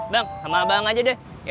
bang sama abang aja deh